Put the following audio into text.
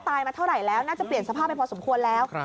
มาเท่าไหร่แล้วน่าจะเปลี่ยนสภาพไปพอสมควรแล้ว